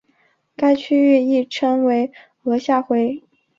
该区域亦称为额下回。